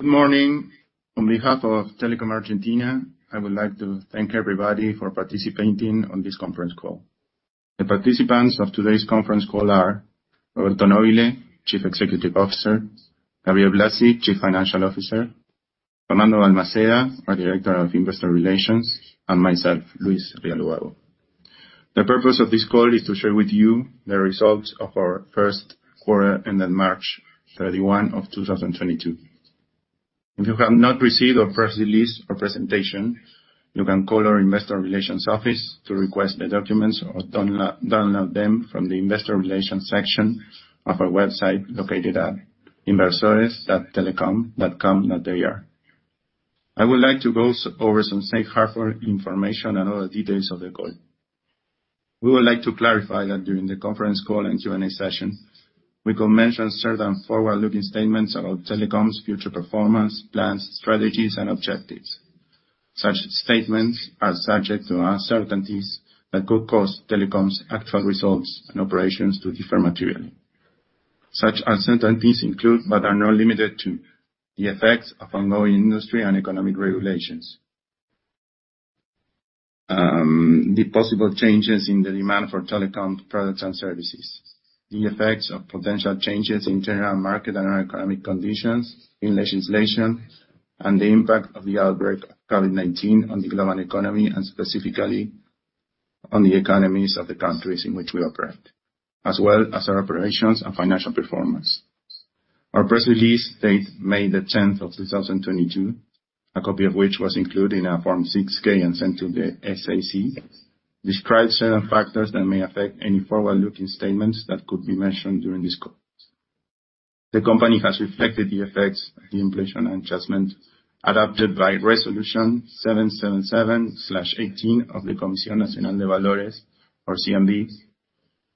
Good morning. On behalf of Telecom Argentina, I would like to thank everybody for participating on this conference call. The participants of today's conference call are Roberto Nóbile, Chief Executive Officer, Gabriel Blasi, Chief Financial Officer, Fernando Balmaceda, our Director of Investor Relations, and myself, Luis Rial Ubago. The purpose of this call is to share with you the results of our first quarter ending March 31st of 2022. If you have not received our press release or presentation, you can call our investor relations office to request the documents or download them from the investor relations section of our website located at inversores.telecom.com.ar. I would like to go over some safe harbor information and other details of the call. We would like to clarify that during the conference call and Q&A session, we could mention certain forward-looking statements about Telecom's future performance, plans, strategies, and objectives. Such statements are subject to uncertainties that could cause Telecom's actual results and operations to differ materially. Such uncertainties include but are not limited to the effects of ongoing industry and economic regulations, the possible changes in the demand for Telecom's products and services, the effects of potential changes in general market and economic conditions, in legislation, and the impact of the outbreak of COVID-19 on the global economy and specifically on the economies of the countries in which we operate, as well as our operations and financial performance. Our press release dated May the 10th of 2022, a copy of which was included in our Form 6-K and sent to the SEC, describes certain factors that may affect any forward-looking statements that could be mentioned during this call. The company has reflected the effects of the inflation adjustment adopted by Resolution 777/18 of the Comisión Nacional de Valores, or CNV,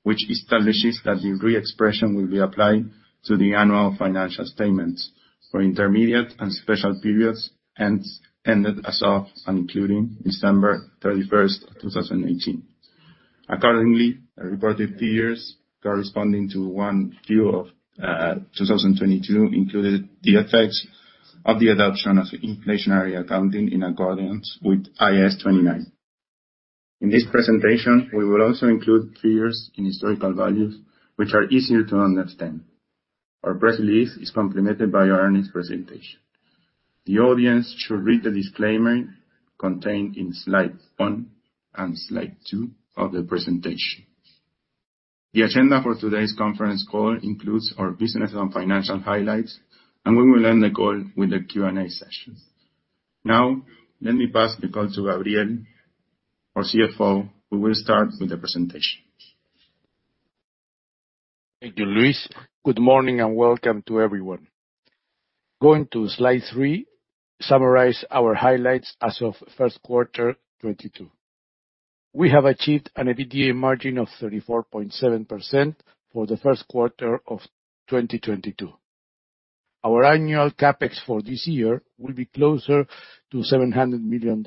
which establishes that the reexpression will be applied to the annual financial statements for intermediate and special periods ended as of and including December 31st, 2018. Accordingly, the reported figures corresponding to 1Q of 2022 included the effects of the adoption of inflationary accounting in accordance with IAS 29. In this presentation, we will also include figures in historical values, which are easier to understand. Our press release is complemented by our earnings presentation. The audience should read the disclaimer contained in slide one and slide two of the presentation. The agenda for today's conference call includes our business and financial highlights, and we will end the call with a Q&A session. Now, let me pass the call to Gabriel, our CFO, who will start with the presentation. Thank you, Luis. Good morning and welcome to everyone. Going to slide three, summarize our highlights as of first quarter 2022. We have achieved an EBITDA margin of 34.7% for the first quarter of 2022. Our annual CapEx for this year will be closer to $700 million.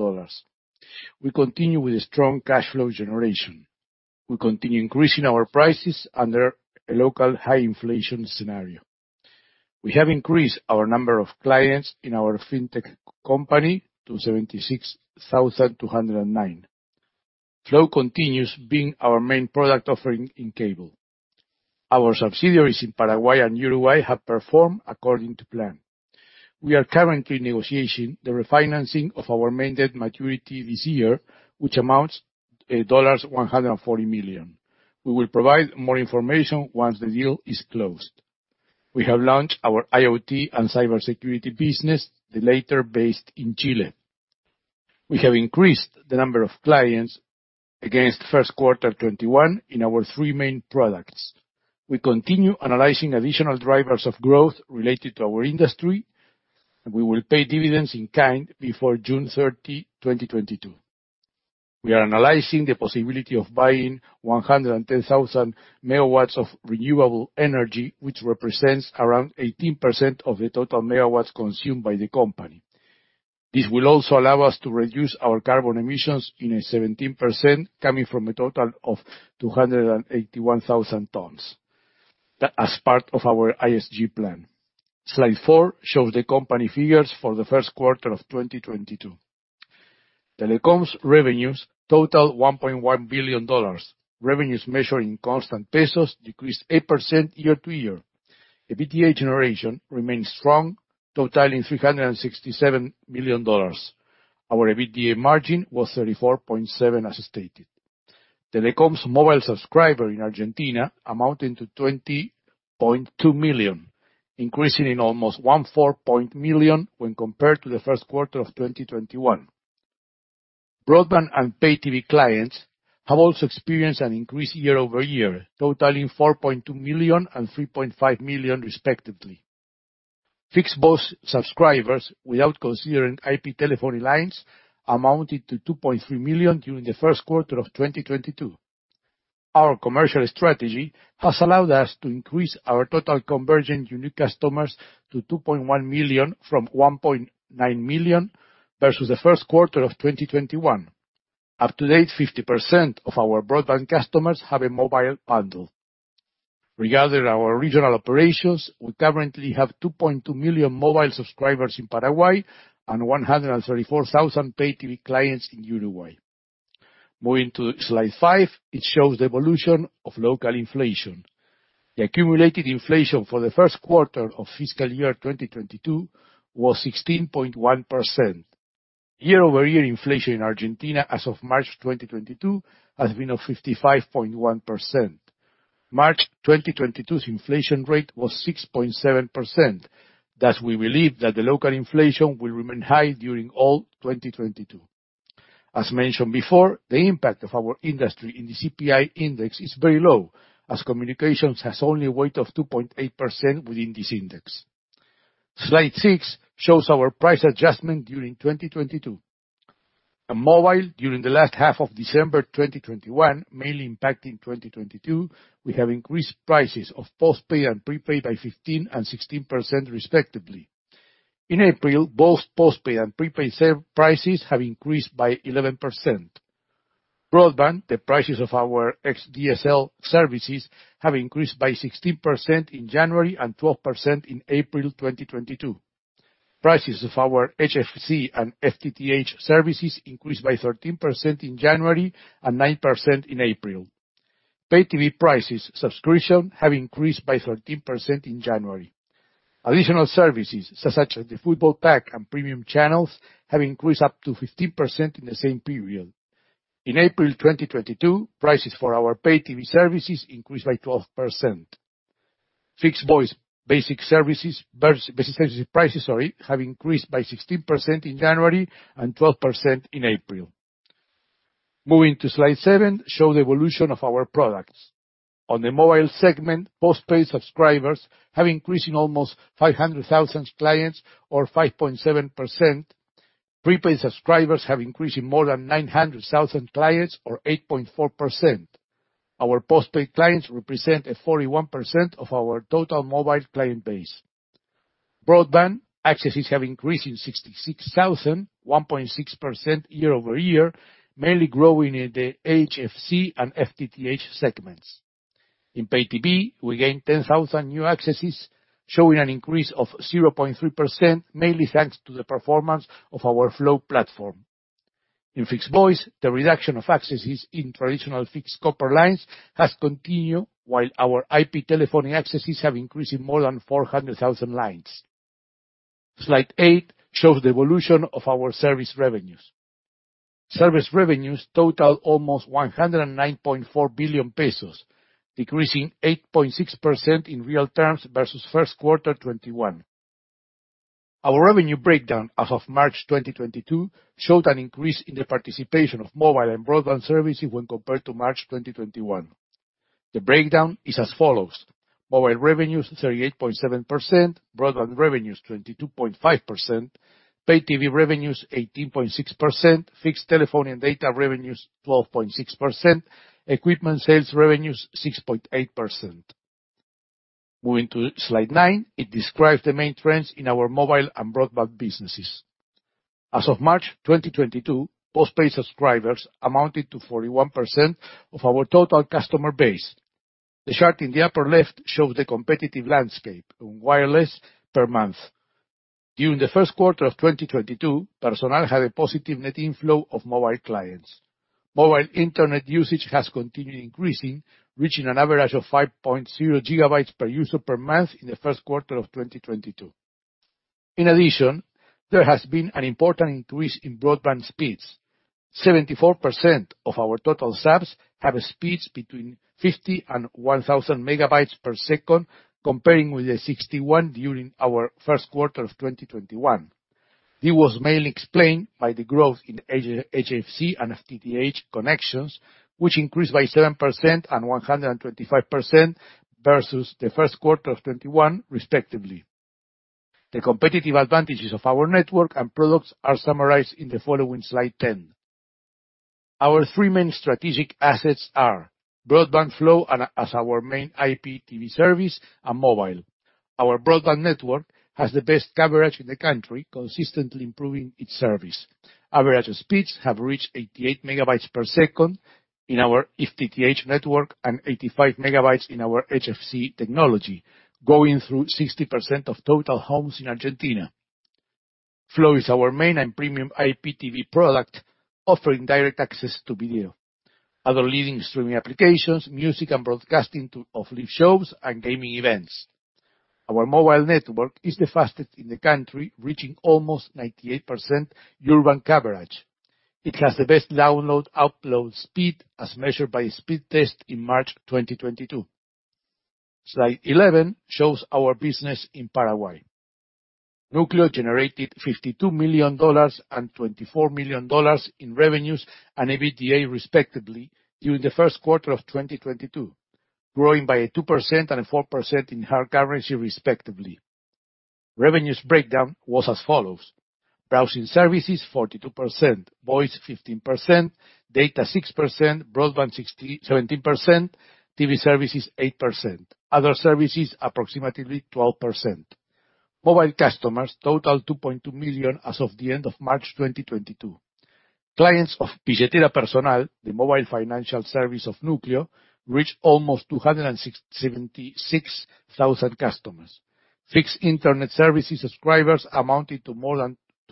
We continue with a strong cash flow generation. We continue increasing our prices under a local high inflation scenario. We have increased our number of clients in our fintech company to 76,209. Flow continues being our main product offering in cable. Our subsidiaries in Paraguay and Uruguay have performed according to plan. We are currently negotiating the refinancing of our main debt maturity this year, which amounts to $140 million. We will provide more information once the deal is closed. We have launched our IoT and cybersecurity business, the latter based in Chile. We have increased the number of clients against first quarter 2021 in our three main products. We continue analyzing additional drivers of growth related to our industry, and we will pay dividends in kind before June 30, 2022. We are analyzing the possibility of buying 110,000 megawatts of renewable energy, which represents around 18% of the total megawatts consumed by the company. This will also allow us to reduce our carbon emissions by 17%, coming from a total of 281,000 tonnes, as part of our ESG plan. Slide four shows the company figures for the first quarter of 2022. Telecom's revenues total $1.1 billion. Revenues measured in constant pesos decreased 8% year-over-year. EBITDA generation remained strong, totaling $367 million. Our EBITDA margin was 34.7% as stated. Telecom's mobile subscribers in Argentina amounting to 20.2 million, increasing by almost 1.4 million when compared to the first quarter of 2021. Broadband and pay TV clients have also experienced an increase year-over-year, totaling 4.2 million and 3.5 million respectively. Fixed voice subscribers, without considering IP telephony lines, amounted to 2.3 million during the first quarter of 2022. Our commercial strategy has allowed us to increase our total convergent unique customers to 2.1 million from 1.9 million versus the first quarter of 2021. Up to date, 50% of our broadband customers have a mobile bundle. Regarding our regional operations, we currently have 2.2 million mobile subscribers in Paraguay and 134,000 pay TV clients in Uruguay. Moving to slide five, it shows the evolution of local inflation. The accumulated inflation for the first quarter of fiscal year 2022 was 16.1%. Year-over-year inflation in Argentina as of March 2022 has been of 55.1%. March 2022's inflation rate was 6.7%. Thus, we believe that the local inflation will remain high during all 2022. As mentioned before, the impact of our industry in the CPI index is very low, as communications has only a weight of 2.8% within this index. Slide six shows our price adjustment during 2022. On mobile, during the last half of December 2021, mainly impacting 2022, we have increased prices of postpaid and prepaid by 15% and 16% respectively. In April, both postpaid and prepaid prices have increased by 11%. Broadband, the prices of our XDSL services have increased by 16% in January and 12% in April 2022. Prices of our HFC and FTTH services increased by 13% in January and 9% in April. Pay TV subscription prices have increased by 13% in January. Additional services, such as the football pack and premium channels, have increased up to 15% in the same period. In April 2022, prices for our pay TV services increased by 12%. Fixed voice basic services prices, sorry, have increased by 16% in January and 12% in April. Moving to slide seven, show the evolution of our products. On the mobile segment, postpaid subscribers have increased in almost 500,000 clients or 5.7%. Prepaid subscribers have increased in more than 900,000 clients or 8.4%. Our postpaid clients represent a 41% of our total mobile client base. Broadband accesses have increased in 66,000, 1.6% year-over-year, mainly growing in the HFC and FTTH segments. In Pay TV, we gained 10,000 new accesses, showing an increase of 0.3%, mainly thanks to the performance of our Flow platform. In fixed voice, the reduction of accesses in traditional fixed copper lines has continued while our IP telephony accesses have increased in more than 400,000 lines. Slide 8 shows the evolution of our service revenues. Service revenues totaled almost 109.4 billion pesos, decreasing 8.6% in real terms versus first quarter 2021. Our revenue breakdown as of March 2022 showed an increase in the participation of mobile and broadband services when compared to March 2021. The breakdown is as follows. Mobile revenues, 38.7%. Broadband revenues, 22.5%. Pay TV revenues, 18.6%. Fixed telephone and data revenues, 12.6%. Equipment sales revenues, 6.8%. Moving to slide 9, it describes the main trends in our mobile and broadband businesses. As of March 2022, postpaid subscribers amounted to 41% of our total customer base. The chart in the upper left shows the competitive landscape on wireless per month. During the first quarter of 2022, Personal had a positive net inflow of mobile clients. Mobile internet usage has continued increasing, reaching an average of 5.0 GB per user per month in the first quarter of 2022. In addition, there has been an important increase in broadband speeds. 74% of our total subs have speeds between 50 Mbps and 1,000 Mbps, comparing with the 61% during our first quarter of 2021. It was mainly explained by the growth in HFC and FTTH connections, which increased by 7% and 125% versus the first quarter of 2021, respectively. The competitive advantages of our network and products are summarized in the following slide 10. Our three main strategic assets are broadband Flow and, as our main IPTV service, and mobile. Our broadband network has the best coverage in the country, consistently improving its service. Average speeds have reached 88 megabytes per second in our FTTH network and 85 megabytes in our HFC technology, going through 60% of total homes in Argentina. Flow is our main and premium IPTV product offering direct access to video, other leading streaming applications, music and broadcasting to off-live shows and gaming events. Our mobile network is the fastest in the country, reaching almost 98% urban coverage. It has the best download, upload speed as measured by Speedtest in March 2022. Slide 11 shows our business in Paraguay. Núcleo generated $52 million and $24 million in revenues and EBITDA, respectively, during the first quarter of 2022, growing by a 2% and a 4% in hard currency respectively. Revenues breakdown was as follows. Browsing services, 42%. Voice, 15%. Data, 6%. Broadband, seventeen percent. TV services, 8%. Other services, approximately 12%. Mobile customers totaled 2.2 million as of the end of March 2022. Clients of Billetera Personal, the mobile financial service of Núcleo, reached almost 276,000 customers. Fixed Internet services subscribers amounted to more than 209,000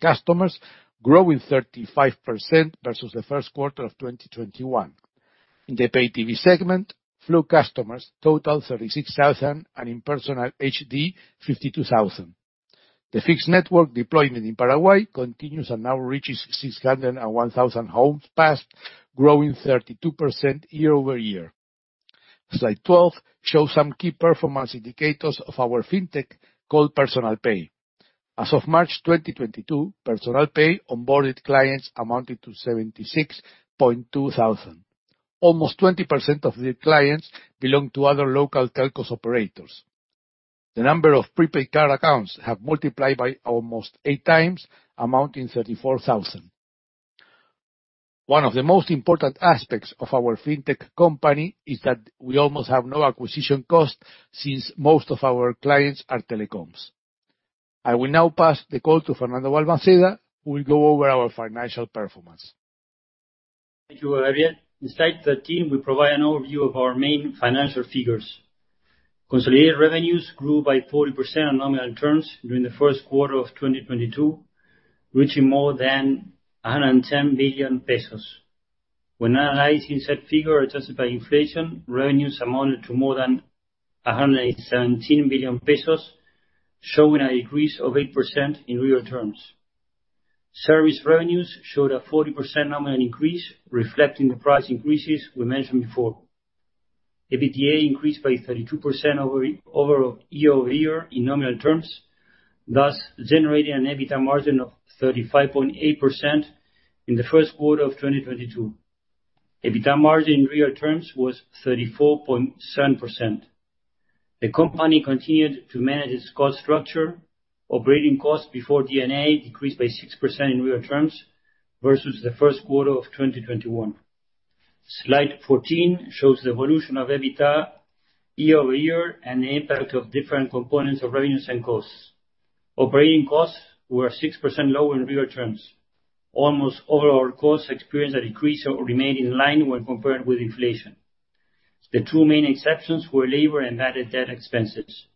customers, growing 35% versus the first quarter of 2021. In the pay TV segment, Flow customers totaled 36,000, and in Personal HD, 52,000. The fixed network deployment in Paraguay continues and now reaches 601,000 homes passed, growing 32% year-over-year. Slide 12 shows some key performance indicators of our fintech called Personal Pay. As of March 2022, Personal Pay onboarded clients amounted to 76.2 thousand. Almost 20% of the clients belong to other local telcos operators. The number of prepaid card accounts have multiplied by almost 8x, amounting to 34,000. One of the most important aspects of our fintech company is that we almost have no acquisition cost since most of our clients are telecoms. I will now pass the call to Fernando Balmaceda, who will go over our financial performance. Thank you, Gabriel. In slide 13, we provide an overview of our main financial figures. Consolidated revenues grew by 40% on nominal terms during the first quarter of 2022, reaching more than 110 billion pesos. When analyzing said figure adjusted by inflation, revenues amounted to more than 117 billion pesos, showing a decrease of 8% in real terms. Service revenues showed a 40% nominal increase, reflecting the price increases we mentioned before. EBITDA increased by 32% year over year in nominal terms, thus generating an EBITDA margin of 35.8% in the first quarter of 2022. EBITDA margin in real terms was 34.7%. The company continued to manage its cost structure. Operating costs before D&A decreased by 6% in real terms versus the first quarter of 2021. Slide 14 shows the evolution of EBITDA year-over-year and the impact of different components of revenues and costs. Operating costs were 6% lower in real terms. Almost all our costs experienced a decrease or remained in line when compared with inflation. The two main exceptions were labor and added debt expenses.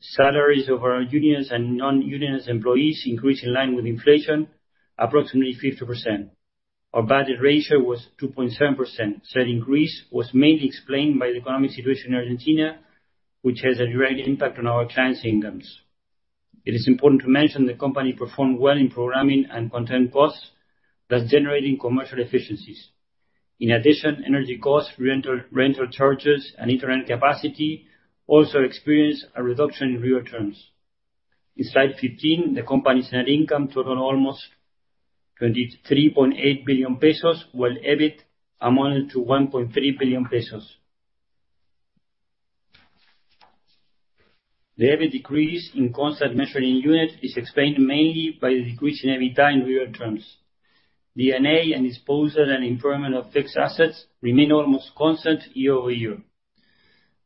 Salaries of our unions and non-union employees increased in line with inflation, approximately 50%. Our budget ratio was 2.7%. Said increase was mainly explained by the economic situation in Argentina, which has a direct impact on our clients' incomes. It is important to mention the company performed well in programming and content costs, thus generating commercial efficiencies. In addition, energy costs, rental charges, and internet capacity also experienced a reduction in real terms. In slide 15, the company's net income totaled almost 23.8 billion pesos, while EBIT amounted to 1.3 billion pesos. The EBIT decrease in constant measuring unit is explained mainly by the decrease in EBITDA in real terms. D&A and disposal and impairment of fixed assets remain almost constant year-over-year.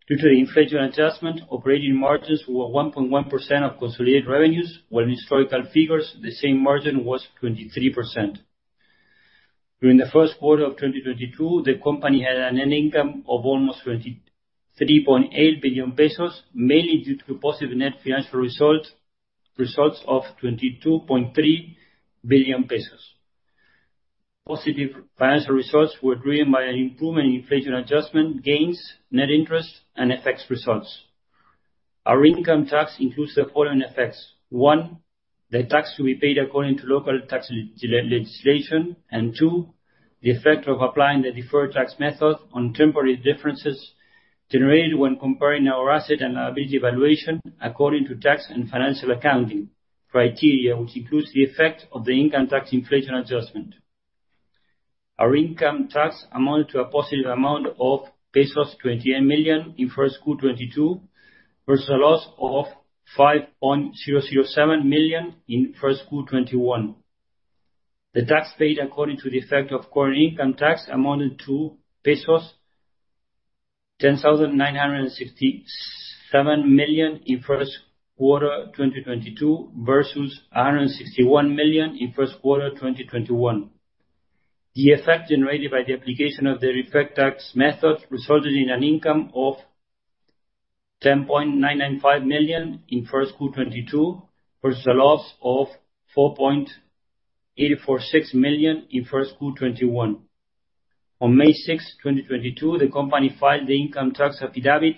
Due to the inflation adjustment, operating margins were 1.1% of consolidated revenues, while in historical figures, the same margin was 23%. During the first quarter of 2022, the company had a net income of almost 23.8 billion pesos, mainly due to positive net financial result, results of 22.3 billion pesos. Positive financial results were driven by an improvement in inflation adjustment gains, net interest, and FX results. Our income tax includes the following effects. One, the tax to be paid according to local tax legislation. Two, the effect of applying the deferred tax method on temporary differences generated when comparing our asset and liability valuation according to tax and financial accounting criteria, which includes the effect of the income tax inflation adjustment. Our income tax amounted to a positive amount of pesos 28 million in 1Q 2022 versus a loss of 5.007 million in 1Q 2021. The tax paid according to the effect of current income tax amounted to pesos 10,967 million in first quarter 2022 versus 161 million in first quarter 2021. The effect generated by the application of the deferred tax method resulted in an income of 10.995 million in 1Q 2022 versus a loss of 4.846 million in 1Q 2021. On May 6th, 2022, the company filed the income tax affidavit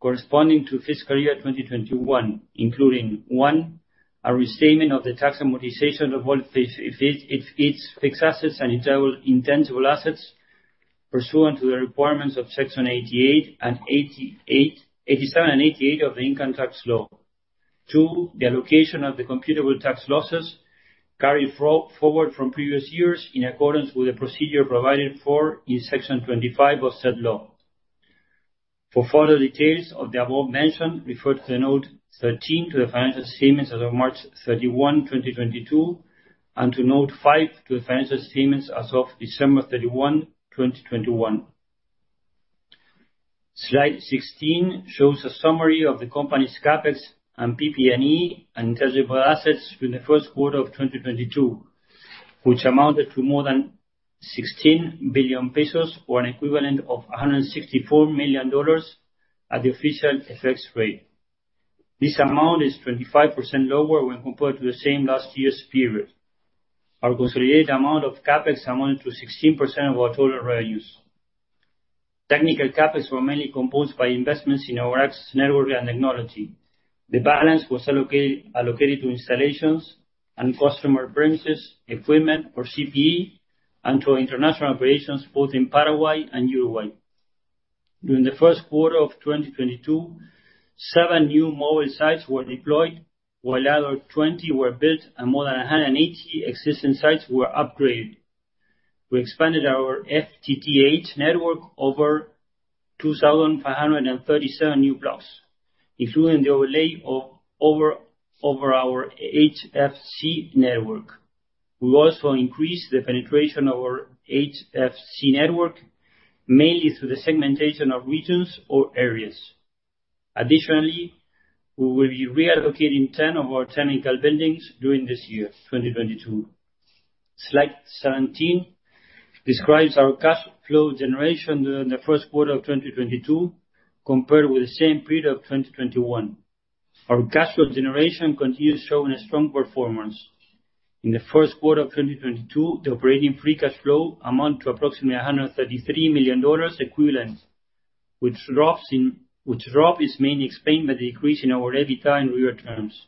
corresponding to fiscal year 2021, including, one, a restatement of the tax amortization of all fixed assets and intangible assets pursuant to the requirements of Section 87 and 88 of the income tax law. Two, the allocation of the computable tax losses carried forward from previous years in accordance with the procedure provided for in Section 25 of said law. For further details of the above mentioned, refer to note 13 to the financial statements as of March 31, 2022, and to note five to the financial statements as of December 31, 2021. Slide 16 shows a summary of the company's CapEx and PP&E and intangible assets during the first quarter of 2022, which amounted to more than 16 billion pesos or an equivalent of $164 million at the official FX rate. This amount is 25% lower when compared to the same period last year. Our consolidated amount of CapEx amounted to 16% of our total revenues. Technical CapEx were mainly composed of investments in our access network and technology. The balance was allocated to installations and customer premises equipment or CPE, and to our international operations both in Paraguay and Uruguay. During the first quarter of 2022, seven new mobile sites were deployed, while another 20 were built and more than 180 existing sites were upgraded. We expanded our FTTH network over 2,537 new blocks, including the overlay over our HFC network. We also increased the penetration of our HFC network, mainly through the segmentation of regions or areas. Additionally, we will be reallocating 10 of our technical buildings during this year, 2022. Slide 17 describes our cash flow generation during the first quarter of 2022 compared with the same period of 2021. Our cash flow generation continues showing a strong performance. In the first quarter of 2022, the operating free cash flow amount to approximately $133 million equivalent, which drop is mainly explained by the decrease in our EBITDA in real terms.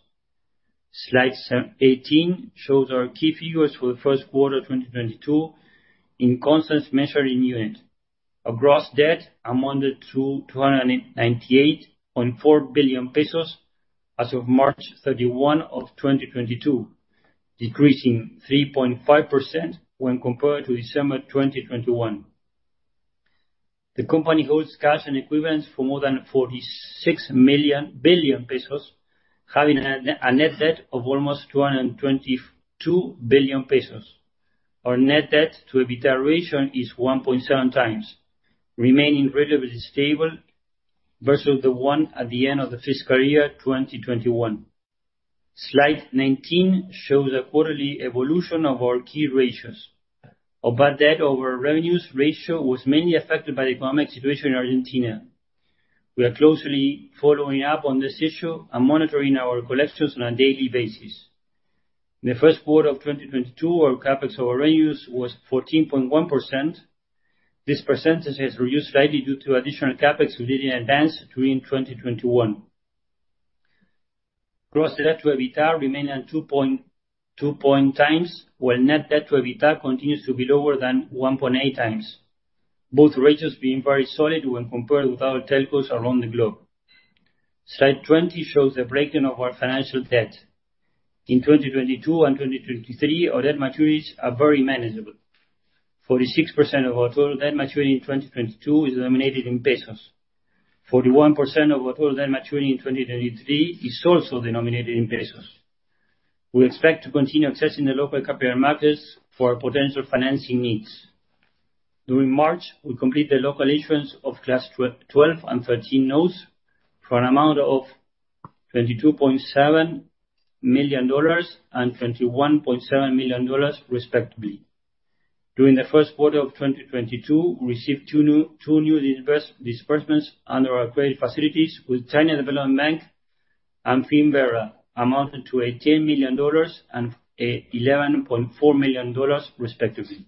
Slide 18 shows our key figures for the first quarter 2022 in constant measuring unit. Our gross debt amounted to 298.4 billion pesos as of March 31, 2022, decreasing 3.5% when compared to December 2021. The company holds cash and equivalents for more than 46 billion pesos, having a net debt of almost 222 billion pesos. Our net debt to EBITDA ratio is 1.7x, remaining relatively stable versus the one at the end of the fiscal year 2021. Slide 19 shows a quarterly evolution of our key ratios. Our bad debt over our revenues ratio was mainly affected by the economic situation in Argentina. We are closely following up on this issue and monitoring our collections on a daily basis. In the first quarter of 2022, our CapEx over revenues was 14.1%. This percentage has reduced slightly due to additional CapEx we did in advance during 2021. Gross debt to EBITDA remained at 2.2x, while net debt to EBITDA continues to be lower than 1.8x. Both ratios being very solid when compared with other telcos around the globe. Slide 20 shows the breakdown of our financial debt. In 2022 and 2023, our debt maturities are very manageable. 46% of our total debt maturing in 2022 is denominated in pesos. 41% of our total debt maturing in 2023 is also denominated in pesos. We expect to continue accessing the local capital markets for our potential financing needs. During March, we completed the local issuance of Class twelve and thirteen notes for an amount of $22.7 million and $21.7 million, respectively. During the first quarter of 2022, we received two new disbursements under our credit facilities with China Development Bank and Finnvera, amounting to $18 million and $11.4 million, respectively.